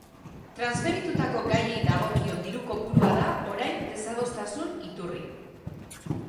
Transferitutako gaiei dagokion diru kopurua da orain desadostasun iturri.